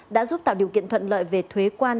đã giúp tạo điều kiện thuận lợi về thuế quan